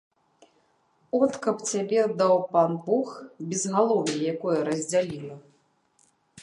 От каб цябе, даў пан бог, безгалоўе якое раздзяліла!